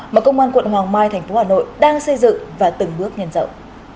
mà công an quận hoàng mai thành phố hà nội đang xây dựng và từng bước nhân rộng